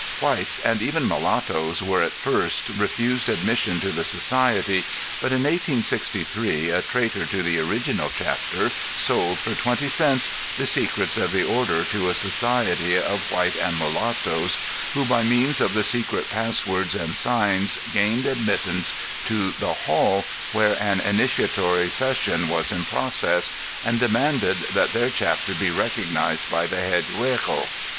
Whites and even mulatoes were at first refused admission to the society, but in 1863 a traitor to the original chapter sold for twenty cents the secrets of the order to a society of white and mulatoes who by means of the secret pass words and signs gained admittance to the hall where an initiatory session was in progress and demanded that their chapter be recognized by the head Juego.